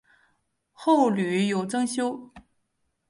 后屡有增修。